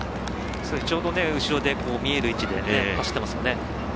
ちょうど後ろに見える位置で走ってますね。